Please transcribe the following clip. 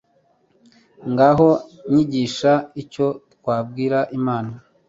ngaho nyigisha icyo twabwira imana